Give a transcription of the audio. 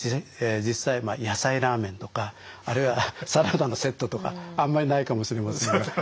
実際野菜ラーメンとかあるいはサラダのセットとかあんまりないかもしれませんが。